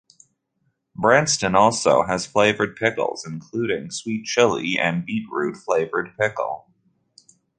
Branston also has flavoured pickles including Sweet Chilli and Beetroot flavoured pickle.